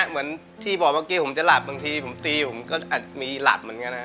เหมือนที่บอกเมื่อกี้ผมจะหลับบางทีผมตีผมก็อาจมีหลับเหมือนกันนะ